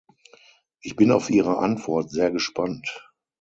Ich bin auf Ihre Antwort sehr gespannt.